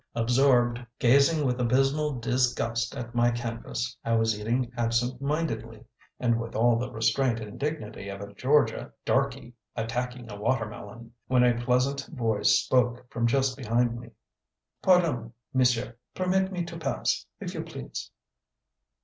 Absorbed, gazing with abysmal disgust at my canvas, I was eating absent mindedly and with all the restraint and dignity of a Georgia darky attacking a watermelon when a pleasant voice spoke from just behind me. "Pardon, monsieur; permit me to pass, if you please."